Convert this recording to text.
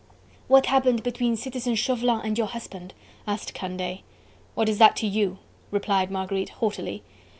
"What happened between Citizen Chauvelin and your husband?" asked Candeille. "What is that to you?" replied Marguerite haughtily.